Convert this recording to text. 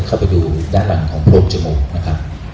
เข้าไปดูด้านหลังของโพรบจมูก